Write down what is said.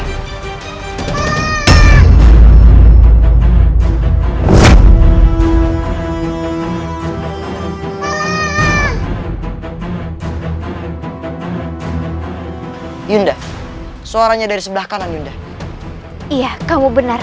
hai yunda suaranya dari sebelah kanan yunda iya kamu benar